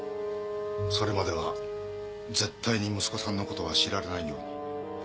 それまでは絶対に息子さんのことは知られないように。